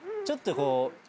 ちょっとこう。